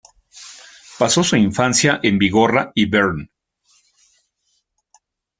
Pasó su infancia en Bigorra y Bearne.